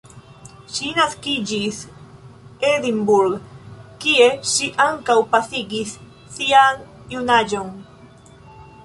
Ŝi naskiĝis Edinburgh, kie ŝi ankaŭ pasigis sian junaĝon.